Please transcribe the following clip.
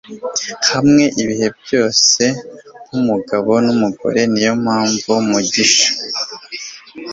hamwe ibihe byose nk'umugabo n'umugore. niyo mpamvu mugisha